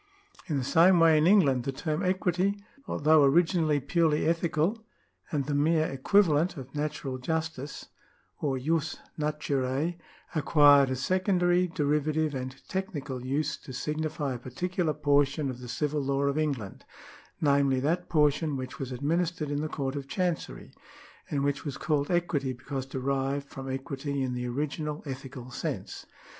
In the same way in England, the term equity, although originally purely ethical and the mere equivalent of natural justice or jus naturae, acquired a secondary, derivative, and technical use to signify a ])articular portion of the civil law of England, namely, that portion which was administered in the Court of Chancery, and which was called equity because derived from equity in the original ethical sense.